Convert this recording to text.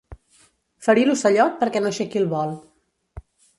Ferir l'ocellot perquè no aixequi el vol.